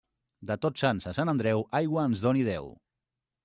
De Tots Sants a Sant Andreu, aigua ens doni Déu.